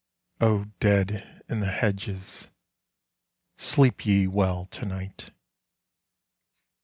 O dead in the hedges, sleep ye well to night!